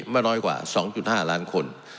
ไม่น้อยกว่า๒๕ล้านคน